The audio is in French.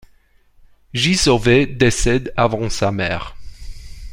Giso V décède avant sa mère.